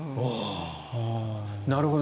なるほど。